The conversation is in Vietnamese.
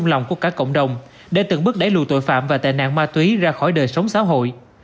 lòng của cả cộng đồng để từng bước đẩy lùi tội phạm và tệ nạn ma túy ra khỏi đời sống xã hội